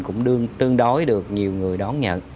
cũng tương đối được nhiều người đón nhận